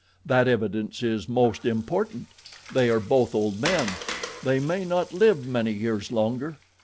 That evidence is most important. They are both old men. They may not live many years longer.